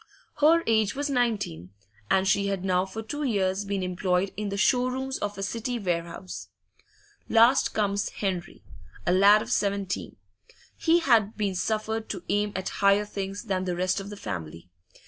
Her age was nineteen, and she had now for two years been employed in the show rooms of a City warehouse. Last comes Henry, a lad of seventeen; he had been suffered to aim at higher things than the rest of the family.